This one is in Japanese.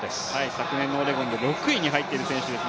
昨年のオレゴンで６位に入っている選手です。